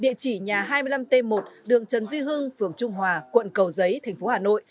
địa chỉ nhà hai mươi năm t một đường trần duy hưng phường trung hòa quận cầu giấy thành phố hà nội